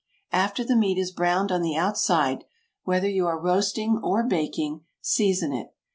After the meat is browned on the outside, whether you are roasting or baking, season it.